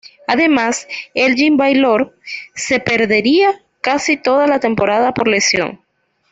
Además, Elgin Baylor se perdería casi toda la temporada por lesión.